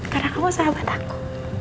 karena kamu sahabat aku